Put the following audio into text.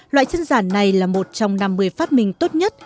loại chân giả này là một trong năm mươi phát minh tốt nhất